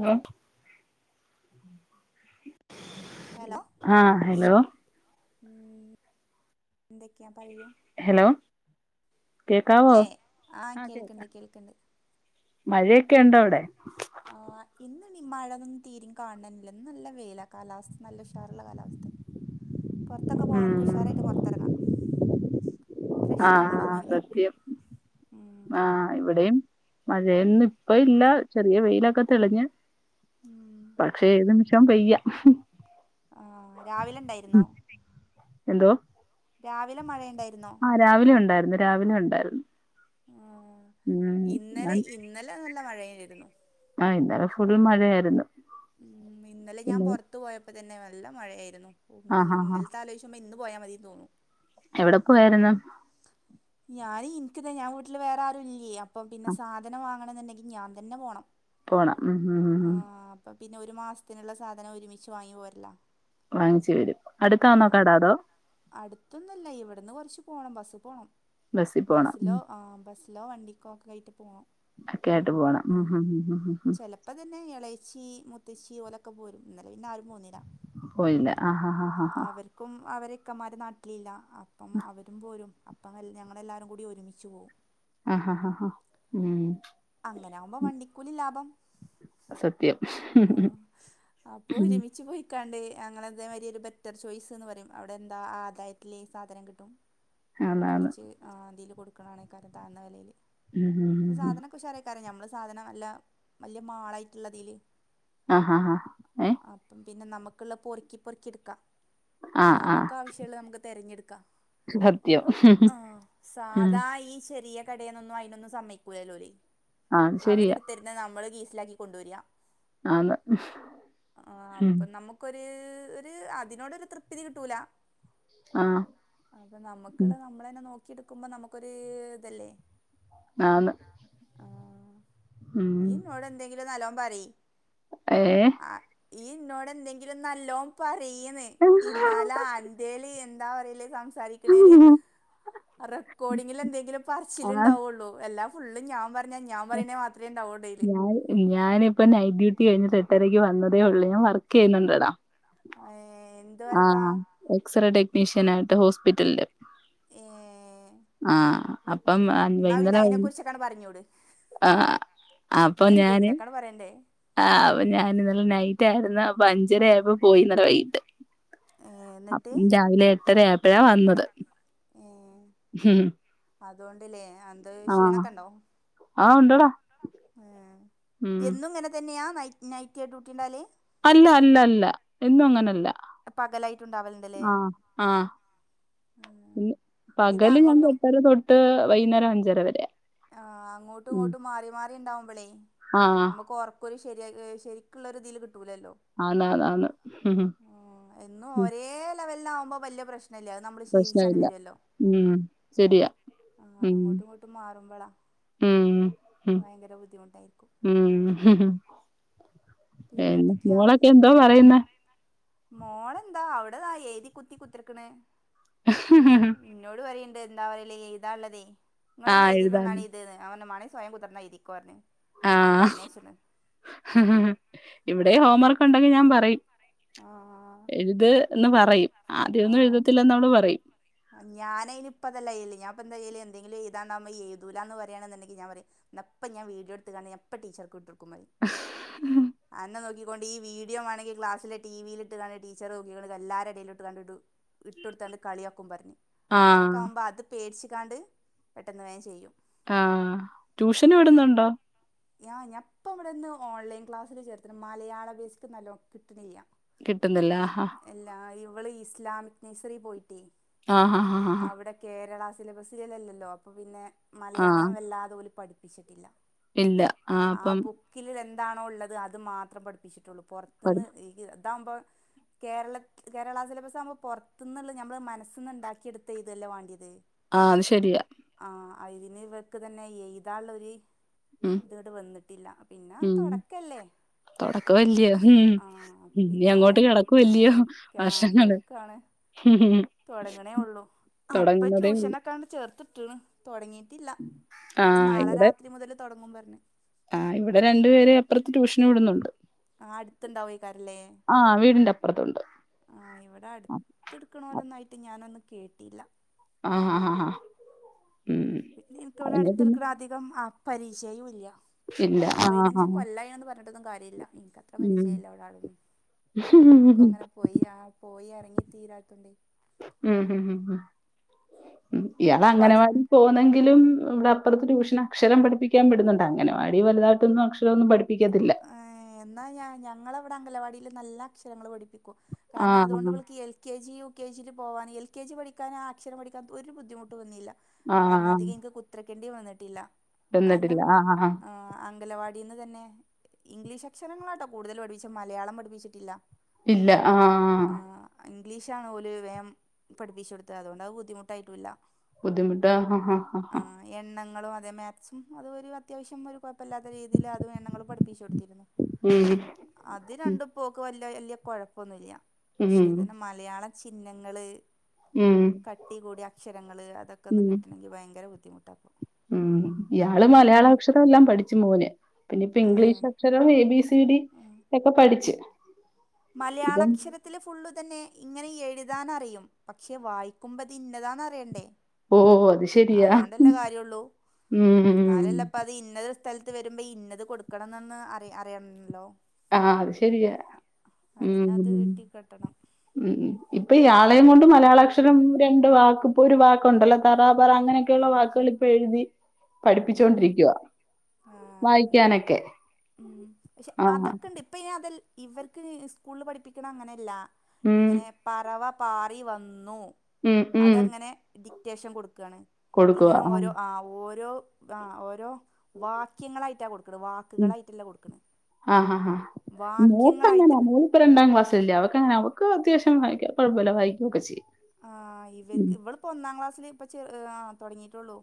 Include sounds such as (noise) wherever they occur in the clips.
Hello hello ആഹ് hello ഉം എന്തൊക്കെയാ പറയൂ ഹലോ കേക്കാവോ ഇല്ലേ ആഹ് കോക്കാം കേൾക്കണ്ട് കേൾക്കണ്ട് മഴയൊക്കെ ഉണ്ടോ അവിടെ ആ എന്നന്താണ് ഈ മഴയന്നന്നും തീരയും കാണാനില്ല നല്ല വേയ്ല കാലാവസ്ഥ നല്ല ഉഷാറുള്ള കാലാവസ്ഥ പുറത്തൊക്കെ ഉം പോണൽക്ക് ഉഷാറായിട്ട് പുറത്ത് ഇറങ്ങാം ആഹ് പ്രശ്നങ്ങളൊന്നും ആഹ് ഇല്ല സത്യം ഉം ആഹ് ഇവിടെയും മഴ ഉം ഒന്നും ഇപ്പം ഇല്ല ചെറിയ വെയിലൊക്കെ തെളിഞ്ഞ് ഉം പക്ഷെ ഏത് നിമിഷം പെയ്യാം. ആ രാവിലെ ഉണ്ടായിരുന്നോ എന്തോ രാവിലെ മഴ ഇണ്ടായിര്ന്നോ? ആഹ് രാവിലെ ഉണ്ടായിരുന്നു രാവിലെ ഉണ്ടായിരുന്നു ആഹ് ഇന്നലെ ഉം ഇന്നലെ നല്ല മഴായിരുന്നു ആഹ് ഇന്നലെ ഫുൾ മഴയായിരുന്നു ഉം ഇന്നലെ ഞാൻ പിന്നെ പൊറത്ത് പോയപ്പോ തന്നെ നല്ല മഴയായിരുന്നു ഉം ആഹ് ല് ഹാ ഹാ ഇന്നലത്തെ ആലോയി ക്കുമ്പോ ഇന്ന് പോയ മതീന്ന് തോന്നും എവടെ പോയാരുന്നു? ഞാന് ഇന്ക്ക്ത് ഞാൻ വീട്ട്ല് വേറാരുല്ല്യേ അപ്പോ പിന്നെ സാധനം വാങ്ങണന്ന്ണ്ടെ ങ്കി ഞാൻ തന്നെ പോണം പോണം ഉം ഉം ഉം ഉം അപ്പ പിന്നെ ഒരു മാസത്തിന്ള്ള സാധനം ഒരുമിച്ച് വാങ്ങി പോരലാ വാങ്ങിച്ച് വെരും അട്ത്താന്നോ കട അതോ അടുത്തൊന്നും ഇല്ല ഇവ്ടന്ന് കൊറച്ച് പോണം ബസ്സ്‌ പോണം ബസ്സിൽ പോണം ഉം ബസ്സിലോ ആഹ് ബസ് ലോ വണ്ടിക്കൊക്കായിട്ട് പോണം ഒക്കായിട്ട് പോണം ഉം ഹും ഉം ഹും ഹും ഇപ്പ തന്നെ ഇളേച്ചി മുത്തച്ചി ഒലൊക്കെ പോരും ഇന്നലെ പിന്നാരും പോന്നില പോയില്ല ആഹ് ഹാഹ് ഹാഹ് ഹാഹ് ക്കും അവരെ ഇക്കമാര് നാട്ടിലില്ല അപ്പം അവരും പോരും അപ് പ്പം ഞങ്ങളെല്ലാരും കൂടി ഒരുമിച്ച് പോവും ആഹ് ഹാഹ് ഹാഹ് ഉം അങ്ങനാവുമ്പോ വണ്ടിക്കൂലി ലാഭം അത് സത്യം ആഹ് അപ്പോ ഉം ഒരുമിച്ച് പോയി ക്കാണ്ട് ഞങ്ങള് ഇതേമാരി ഒരു ബെറ്റർ ചോയ്സ്ന്ന് പറിം അവിടെന്താ ആദായത്തില് സാധനം കിട്ടും അതാണ് കൊറച്ച് ആ ഇതില് കൊട്ക്ക്ണാണെക്കാരം താന്ന വെലേല് ഉം സാധനക്കെ ഉഷാറേ ക്കാരം ഞമ്മളെ സാധനം നല്ല മാളായിട്ട്ള്ളതില് ആഹ് ഹാഹ് ഹാ അപ്പം പിന്നെ നമക്ക്‌ള്ള പൊറുക്കി പൊറുക്കി ഇട്ക്കാ ആഹ് ആഹ് നമുക്ക് ആവശ്യള്ളത് നമ്മക്ക് തെരഞ്ഞെട്ക്ക സത്യം ആഹ് ഉം സാധാ ഈ ചെറിയ കടേന്നൊന്നും അയിനൊന്നും സമ്മയ്ക്കൂലല്ലോല് ആ അത് അവര് ശരിയാ ഇട്ത്തെര്ന്നത് നമ്മള് കീ സിലാക്കി കൊണ്ടോരാ ആന്ന് ആ ഉം അപ്പോ നമു ക്കൊര് ഒര് അതിനോടൊര് തൃപ്തിഥി കിട്ടൂല ആഹ് അപ്പ ഉം നമുക്ക്‌ള്ളത് നമ്മളെന്നെ നോക്കിട്ക്കുമ്പോ നമ്ക്കൊര് ഇതല്ലേ ആന്ന് ആഹ് ഉം ഇയ്യ് ഇന്നോടെന്തെങ്കിലും നല്ലോം പറി ഏഹ് ആ ഇയ്യ് ഇന്നോടെന്തെങ്കിലും നല്ലോം പറയ്യ്ന്ന് ഇന്നാലാ അൻ ന്റേല് എന്താ പറയല് സം സാരിക്ക്ണേല് റെക്കോർഡിങ്ങില് എന്തെങ്കിലും ആഹ് പറച്ചില്ണ്ടാവൊള്ളൂ എല്ലാ ഫുള്ള് ഞാ പറഞ്ഞാ ഞാൻ പറീണെ മാത്രേ ഉണ്ടാവൊള്ളൂ അയില് ഞാനിപ്പം നൈറ്റ് ഡ്യൂട്ടി കഴിഞ്ഞ് എട്ടരയ്ക്ക് വന്നതേ ഒള്ളു ഞാൻ വർക്ക്യ്യ്ന്നുണ്ടടാ ഏഹ് എ ആഹ് എക്സറേ ടെക്നീഷ്യനായിട്ട് ഹോസ്പിറ്റൽല് ഏഹ് ആഹ് അപ്പം ആ ഇന്നാ പിന്നെ ഇന്നലെ അയ്നെ കുറിച്ചൊക്കാണ്ട് പറഞ്ഞൂട് ആഹ് എന്തെങ്കിലൊക്കാണ്ട് പറയണ്ടേ ആഹ് അപ്പൊ ഞാനിന്നലെ നൈറ്റായിരുന്നു അപ്പൊ അഞ്ചര ആയപ്പോ പോയിന്നലെ വൈകിട്ട് ഏഹ് ഇന്നിട്ട് അഹ് രാവിലെ എട്ടര ആയപ്പഴാ വന്നത് ഉം ഹും അതോണ്ട് ല്ലേ എന്ത് ക്ഷീണൊക്കെ ഉണ്ടോ ആ ഉണ്ടടാ അഹ് ഉം. എന്നും ഇങ്ങനെ തന്നെയാ നൈറ്റ് നൈറ്റ് ഡ്യൂട്ടി ഇണ്ടാല് അല്ല അല്ല അല്ല എന്നും അങ്ങനല്ല പകലായിട്ടുണ്ടാവലുണ്ടല്ലേ പി ഇത് പകല് ഞാൻ അങ്ങോട്ടും എട്ടര തൊട്ട് വൈകുന്നേരം അഞ്ചര വരെ ആഹ് അങ്ങോട്ടും ഉം. ഇങ്ങോട്ടും മാറി മാറി ഉണ്ടാവുമ്പളേ ആ നമ്മക്കൊ റപ്പ ഒരു ശരി ശരിക്കുള്ള ഒരു തിൽ കിട്ടൂലല്ലോ ആന്ന് ആന്ന് ഉം ഉം എന്നും ഉം. ഒരേ ലെവലിന ആകുമ്പോ വലിയ പ്രശ്നല്ല നമ്മള് ശീലിച്ച പ്രശ്നമില്ല വരുല്ലോ. ഉം. ശരിയാ ഉം. അങ്ങോട്ടും ഇങ്ങോട്ടും മാ ളാ ഉം. ഉം. ഭയങ്കര ബുദ്ധിമുട്ടായിരിക്കും. ഉം പി പിന്നെന്തൊക്കെയാ മോളൊക്കെ എന്തോ പറയുന്ന മോളെന്താ അവിടെതാ ഏതി കുത്തി കുത്തിർക്കണ് ഉ (inaudible) ഇന്നോട് പറയണ്ട് എന്താ പറല്ലേ ഇ എഴുതാൻ ള്ളതേ ആഹ് എഴുതാ അവന മാണി സ്വയം കുതിർന്ന എഴുതിക്കോ പറഞ്ഞു. ആഹ് ഇവിടെ ഹോം വർക്ക് ഉണ്ടെങ്കി ഞാൻ പറയും ആഹ് എഴുത് എന്ന് പറയും ആദ്യമൊന്നും എഴുതത്തില്ലന്ന് അവൾ പറയും ഞാനനിപ്പതല്ലാ യല് ഞൻപ്പ ന്ത ചെയ്യല് എന്തെലും എഴുതാൻ ടാകുമ്പം എഴുതൂല പറയാണങ്കിൽ ഞാ പറയും എന്നപ്പ ഞാൻ വീഡിയോ എടുത്താണ്ട് പ്പ ടീച്ചർക്ക് ഇട്ടൊടുക്കും അന്ന നോക്കി ക്കൊണ്ടി ഈ വീഡിയോ വേണെങ്ക ക്ലാസില ടിവിയി ഇട്ട് ടീച്ചർ നോക്കിക്കൊണ്ടി എല്ലാരെ ഇടയിലും ഇട്ട് കാണ്ട് ഇട്ടൊട്ത്ത് കളിയാക്കും. പറയിം അങ്ങനൊക്കെ ആഹ്. ആവുമ്പോ അത് പേടിച്ചിക്കാണ്ട് പെട്ടെന്ന് വേ ചെയ്യും. ആഹ് ട്യൂഷന് വിടുന്നുണ്ടോ? ഞാ ഞാപ്പ ഇവിടെന്ന് ഓൺലൈൻ ക്ലാസ്സിൽ ചേർത്തി. മലയാള ബേസ്ക്ക് നല്ലോ കിട്ട്ണില്ല കിട്ടുന്നില്ല. ആഹ് എല്ലാ ഇവൾ ഇസ്ലാമിക് നഴ്സറി പോയിട്ടേ ആഹ് ഹാ ഹാ ഹാാ അവിടെ കേരള സിലബസിലല്ലല്ലോ. അപ്പൊ പിന്നെ ആഹ്. മലയാളം വല്ലാതെ ഓല് പഠിപ്പിച്ചിട്ടില്ല. ഇല്ല. ആഹ് അപ്പം ബുക്കില് എന്താണോ ഉള്ളത് അത് മാത്രം പഠിപ്പിച്ചിട്ടുള്ളൂ പഠി പൊറത്ത്ന്ന് അതാവുമ്പോ കേരള കേരള സിലബസ് ആവുമ്പോ പുറത്തു നിന്ന നമ്മുടെ മനസ് ന്ന് ഇണ്ടാക്കി എടുത്ത ല്ലേ വേണ്ടിയത്. ആഹ് അത് ശരിയാ ആഹ് അയിന് ഇവർക്ക് തന്നെ എഴുതാ ള്ളൊരു ഉം. ത് വന്നിട്ടില്ല പിന്നെ ഉം. തുടക്കല്ലേ ആഹ് പി തൊടക്കവല്ല്യോ. ഉം. ആഹ് ഇനി പിന്നെ അങ്ങോട്ട് ആദ്യാണ് കെടക്കുവല്ല്യോ ആ കിടക്കാണ് ഹം ഹ (inaudible) തുടങ്ങണേ ഉള്ളൂ അപ്പൊ ഉള്ളൂ. ട്യൂഷനൊ ക്കേ ചേർത്തിട്ട്ണ്. തുടങ്ങീട്ടില്ല ആഹ് നാളെ ഇവിടെ രാത്രി മുതൽ തുടങ്ങും പറഞ്ഞെ ആഹ് ഇവിടെ രണ്ടു പേരെ അപ്പുറത്ത് ട്യൂഷൻ വിടുന്നുണ്ട്. ആഹ് അടുത്ത് ണ്ടായിക്കാരല്ലേ ആഹ് വീടിന്റെ അപ്പുറത്തുണ്ട്. ആഹ് ഇവിടെ അടുത്തെടുക് ണോ ലന്നായിട്ട് ഞാനൊന്ന കേട്ടില്ല. ആഹ ആാ ആാ ആാ പിന്നെ ഇക്ക് ഇവിടെ പിന്നെ അടുത്തട്ക്നൊലേ അധികം പരിചയും ഇല്ല. ഇല്ല. പത്ത് പതിനഞ്ച് ആഹ്. കൊല്ലായന്ന് പറഞ്ഞിട്ടൊന്നും കാര്യമില്ല എനക്കത്ര പരിചയല്ലഇവിടെ ആളെന്നും ഉഹ് ഹ് പോയി ആ പോയി ഇറങ്ങി തീരാത്തുണ്ടെ ഉം ഹം ഉം ഇയാള് പഠി അംഗനവാടി പോന്നെങ്കിലും ഇവിടെ അപ്പുറത്ത് ട്യൂഷൻ അക്ഷരം പഠിപ്പിക്കാൻവി ടുന്നുണ്ട് അംഗനവാടി വലതാട്ടൊന്നും അക്ഷരമൊന്നും പഠിപ്പിക്കത്തില്ല ങ്ങേ എന്നാൽ ഞാ ഞങ്ങളവിടെ അംഗലവാടിയിൽ നല്ല അക്ഷരങ്ങൾ പഠിപ്പിക്കും കാരണം ആഹ്. അതുകൊണ്ട്ഇവൾ ക്ക് L K G U K ജിയി പോവാൻ എ കെ ജി പഠിക്കൻ ആ അക്ഷരം പഠിക്കാൻ ഒരു ബുദ്ധിമുട്ടും വന്നില്ല കാരണം ആഹ്. അധികം എനിക്ക് കുത്രക്കേണ്ടി വന്നിട്ടില്ല കാരണം ചെന്നിട്ടില്ല. ആഹ് ആഹ്. അംഗലവാടി ഇതി ന്ന് തന്നെ ഇംഗ്ലീഷ് അക്ഷരങ്ങളാട്ടോ കൂടുതൽ പഠിപ്പിച്ച മലയാളം പഠിപ്പിച്ചിട്ടില്ല ഇല്ല ആഹ്‌ ആഹ് ഇംഗ്ലീഷ ആണ്ഓല് വേഗം പഠിപ്പിച്ചച്ച് കൊടുത്തത് അതുകൊണ്ട അത് ബുദ്ധിമുട്ടായിട്ടുല്ല ബുദ്ധിമുട്ട ആഹ്‌ ആഹ്‌ ആഹ്‌ ആഹ്‌ എണ്ണങ്ങളും അതെ മാക്സും അതൊ ഒരു അത്യാവശ്യം ഒരു കുഴപ്പമല്ലാത്ത രീതിൽ അതും എണ്ണങ്ങളും പഠിപ്പിച്ച് കൊടുത്തിരുന്നു ഉം അത് ഉം. രണ്ടും ഇപ്പൊ ഓള് ക്ക് വിയ വലിയ കൊഴപ്പൊന്നുമല്ല ഉം. പക്ഷേ ഇതിന മലയാളം ചിഹ്നങ്ങള് ഉം. കട്ടി കൂടി അക്ഷരങ്ങള് അതൊക്കെ ഒന്ന് ഉം. കിട്ടണമെങ്കി ഭയങ്കര ബുദ്ധിമുട്ട ഇപ്പൊ ഉം ഇയാള് മലയാള അക്ഷരം എല്ലാം പഠിച്ചു മോനെ പിന്നെ ഇപ്പ ഏഹ് ഇംഗ്ലീഷ് അക്ഷരവും എ ബി സി ഡി ഒക്കെ പഠിച്ചു മലയാളക്ഷര ത്തിൽ ഫുള്ള് തന്നെ ഇങ്ങനെ എഴുതാൻ അറിയും പക്ഷെ വായിക്കുമ്പോ ഇ ത് ഇന്നതാ അറിയണ്ടേ ഓ അത് ശരിയാ അതോണ്ടല്ലേ കാര്യമുള്ളൂ ഉംഉം എന്നാലല്ലേ ഇപ്പം അത് ഇന്നത് സ്ഥലത്ത് വരുമ്പോ ഇന്നത് കൊടുക്കണന്ന് അറ അറിയണല്ലോ ആഹ്‌ അത് ശരിയാ അതിനത് ഉം കിട്ടി കിട്ടണം ഉം ഇപ്പൊ ഇയാളെയും കൊണ്ട് മലയാളാക്ഷരം രണ്ട് വാക്ക് ഇപ്പോ ഒരു വാക്കുണ്ടല്ലോ തറ പറ അങ്ങനെ ള്ള വാക്കുക ഇപ്പൊ എഴുതി പഠിപ്പിച്ചൊണ്ടിരിക്കുക ആഹ്‌ വായിക്കാനൊക്കെ ഉ പക്ഷെ ആ അതൊക്കെ ഉണ്ട് ഇപ്പ ഇ അത ഇവർക്ക് സ്കൂളിൽ പഠിപ്പിക്കണ അങ്ങനെയല്ല ഉം ഇങ്ങനെ പറവ പാറി വന്നു ഉം ഉം അതങ്ങനെ ഡിക്റ്റേഷൻ കൊടുക്കയാണ് ഇങ്ങനെ ഓരോ ആ ഓരോ ആ ഓരോ വാക്യങ്ങളായിട്ടാ കൊടുക്ക ക് ണ ഉം വാക്കുകളായിട്ടല്ല കൊടുക്കണ് ആ വാക്യങ്ങളായിട്ട് ഇപ്പ രണ്ടാം ക്ലാസ് അല്ലെ അവക്ക്അവക്ക് അത്യവശ്യം കുഴപ്പമില്ല വായിക്കുകൊക്കെ ചെയ്യും ആഹ്‌ ഇവർക്ക് ഉം ഇവളിപ്പോ ഒന്നാം ക്ലാസ്സിൽ ഇപ്പ ചെ ർ ആ തുടങ്ങിയിട്ടുള്ളൂ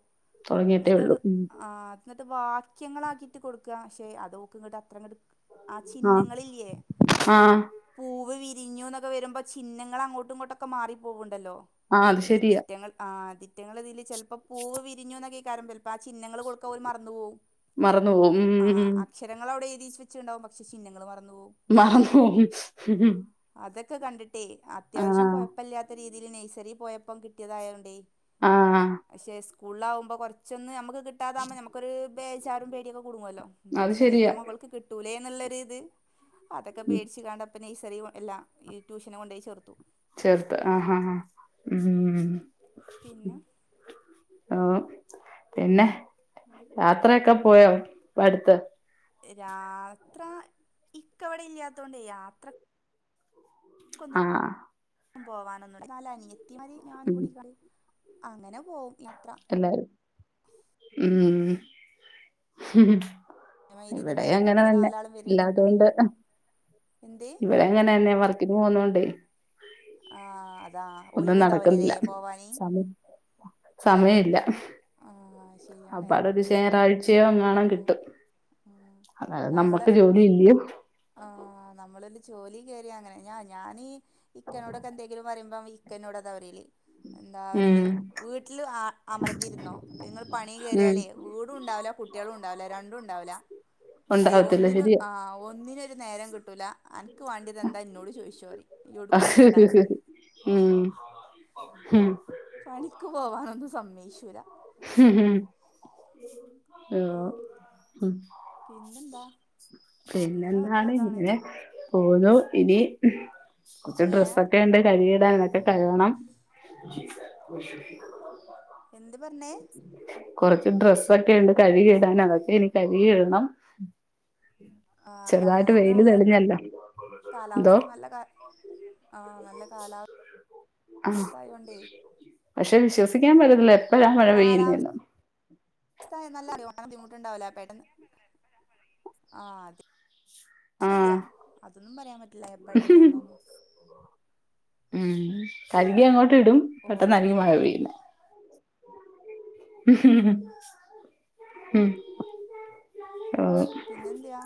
തുടങ്ങിയിട്ടേ ഇതടു ഉള്ളൂ ഉം ആഹ് എന്നിട്ട് വാക്യങ്ങളാക്കിയിട്ട് കൊടുക്കുക പക്ഷെ അത് ഒ ക്ക് ഇങ്ങോട്ട് അത്രിട്ട് ആഹ്‌ ആ ചിഹ്നങ്ങളില്ലേ ആ പൂവ് വിരിഞ്ഞു എന്നൊക്കെ വരുമ്പോ ചിഹ്നങ്ങൾങ്ങോട്ട ഇങ്ങോട്ടൊക്കെ മാറിപ്പോവുണ്ടല്ലോ ആ അത് ശരിയാ ഇതിറ്റങ്ങൾ ആ ഇ തിറ്റങ്ങൾ ഇതില് ചിലപ്പോ പൂവ് വിരിഞ്ഞു എന്നൊക്കെ ആയികാരം അപ്പോ ആഹ്‌ ചിഹ്നങ്ങള്കൊടുക്കൻ ഓല് മറന്നു പോവും മറന്നു പോവും ഉം ഉം ആഹ്‌ ഉം അക്ഷരങ്ങള അവി ടെ എഴുതിച്ച വെച്ചുണ്ടാവും പക്ഷ ചിഹ്ങ്ങളെ മറന്ന പോവും മാമോഉം ആ ഉം അതൊക്കെ കണ്ടിട്ടേ അത്യാവശ്യം കുഴപ്പമില്ലാത്ത രീതിൽ നെയ്സറി പോയപ്പം കിട്ടിയതായോ ണ്ടേ ആ പക്ഷേ സ്കൂളിലകുമ്പോൾ കുറൊചോ ന്ന് നമുക്ക് കിട്ടാതാകുമോൾ നമുക്കരു ബെ ചാറും പേടിയൊക്കെ കൂടുല്ലോ അത് പഠിചോനെ ഇന്റെ ശരിയാ മകൾക്ക് കിട്ടൂലേ എന്നുള്ളരു ഇത് അതൊക്കെ പേടിച്ച് കണ്ടഇ പ്പ നയ് സറി എല്ലാം ട്യൂഷന കൊണ്ടയി ചേർത്തു ചെർത്ത ആഹ് ആഹ്‌ ആതീം ഉ പിന്നെ ഓ പിന്നെ യാത്രയൊക്കെ പോയോ ഇപ്പടുത്ത് രാത്ര ഇക്കവടെ ഇല്ലാത്ത കൊണ്ട് യാത്ര ആഹ് (unintelligible) ഉം അങ്ങനെ പോവും യാത്ര എല്ലാരും ഉം അതേമാതിരി ഇവിടെ തന്നെ ക്കും അങ്ങനെ ഞങ്ങള് തന്നെ നാലാളും വരുണ്ട് ഏ ഇല്ലാതൊണ്ട് എന്ത് ഇവിടെ എങ്ങനെന്നെ വർക്കിന് പോക്ന്നോണ്ടെ ആഹ് അതാ ഒന്നും ഒഴിവുണ്ടാവലല്ലേ നടക്കുന്നില്ല പോവാന് സമയം സമയമില്ല ആഹ് ആഹ് ശരിയാണ് അപ്പാടെ ഒരു ഞായറാഴ്ചയോ എങ്ങാണം ആ കിട്ടും അതായത് നമ്മള് നമ്മുക്ക് ജോലി ഇല്ലോ ആഹ് നമ്മളൊരു ജോലി കേയറിയ അങ്ങനെ ഞാ ഞാനീ ഇക്കനോടൊക്കെ എന്തെങ്കിലും പറയുമ്പം ഇക് ക്ക എന്നോട് അതാ പറയല് എന്താ ഉം പറയല് വീട്ടിൽ അമർന്നിരുന്നോ നിങ്ങൾ പണി ഉം കയറിയാലേ വീടുംണ്ടാവില്ല കുട്ടികളും ഉണ്ടാവില്ല രണ്ടും ഉണ്ടാവില്ല അയ്യ ഉണ്ടാവത്തില്ല ഒന്നിനു ശരിയാ ആഹ് ഒന്നിനൊരു നേരം കിട്ടൂല അൻ ക്ക് വേണ്ടതന്താ എന്നോട് ചോദിച്ചോ പറയും ഈയ് എവിടുക്കും പോണ്ടാന്ന് ഉം പണിക്ക് പോകാനൊന്നും സമ്മയ്ശൂല്ല ഉം പിന്നെന്താ പിന്നെ അങ്ങനെ ഓരോ എന്താണ് ഇതാണ് ഇങ്ങനെ പോവുന്നു ഇനി കുറച്ച് ഏഹ് ഡ്രസ്സൊക്കെ ഉണ്ട് കഴുകിയിടാനൊക്കെ കഴുകണം എന്ത് പറഞ്ഞേ കുറച്ച് ഡ്രസ്സൊക്കെ ഉണ്ട് കഴുകി ഇടാൻ അതൊക്കെ ഇനി കഴുകി ഇടണം ആഹ് ഇന്ന് വെയില് നല്ല തെളിഞ്ഞല്ലോ എന്തോ കാലാവസ്ഥ നല്ല ക ആഹ് നല്ല കാലാ ആ വസ്ഥയോണ്ടേ പക്ഷെ വിശ്വസിക്കാൻ പറ്റുന്നില്ല എപ്പഴ മഴ പെയ്യുന്നെന്ന് കാലാവസ്ഥ (unintelligible) ബുദ്ധിമുട്ടുണ്ടാവില്ല പെട്ടന്ന് ആഹ് (unintelligible) ആ ശരിയാ അതൊന്നും പറയാൻ പറ്റില്ല എപ്പഴ പെയ്യ എന്നൊന്നും ഉം കഴുകി അങ്ങോട്ട് ഇടും പെട്ടെന്ന് ആയിരിക്കും ഓരോന്നിന്റെ മഴ ഓരോ ഇത് പെയ്യുന്നെ ഉം ഓ പിന്നെന്തയാ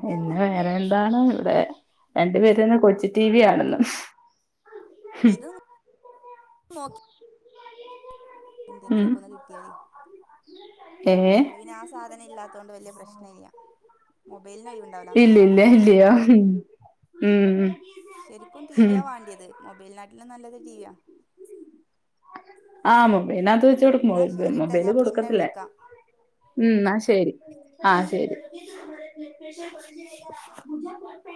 പിന്നെ വേറെ എന്താണ് ഉം ഇവിടെ രണ്ടു പേരും ഇരുന്ന് കൊച്ചി ടിവി ഉം കാണുന്നു ഇത് നോക്കി എന്തെങ്കിലൊക്കെ ഒന്ന് കിട്ടിയാല് ഏഹ് ഇവിടെ പിന്നെ ആഹ് സാധനം ഇല്ലാത്തത്കൊണ്ട് വലിയ പ്രശ്നല്ല മൊബൈലിന് ഒഴിവൊ ഇല്ല ഇല്ല ഇല്ലയോ ഉം ശരിക്കും ഉം ടിവിയാ വാണ്ടിയത് മൊബൈലനാട്ടിലും നല്ലത് ടിവിയാ ആഹ് മൊബൈലിനകത്ത് വെച്ച് എന്നാ കൊടുക്കും ശരിട്ടാ മൊബൈല് ഞാൻ പിന്നെ കൊടുക്കത്തില്ല വിളിക്കാം ഉം ന്നാ ശരി ആഹ് ആ ശരി